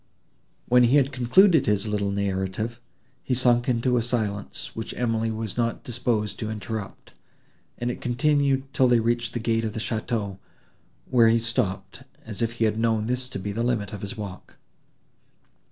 When he had concluded his little narrative, he sunk into a silence, which Emily was not disposed to interrupt, and it continued, till they reached the gate of the château, when he stopped, as if he had known this to be the limit of his walk.